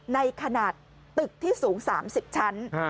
ในขนาดตึกที่สูง๓๐ชั้น